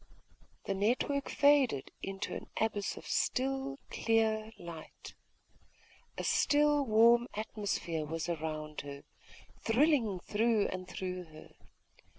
............... The network faded into an abyss of still clear light.... A still warm atmosphere was around her, thrilling through and through her